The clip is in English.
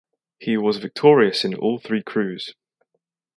He was victorious in all three crews.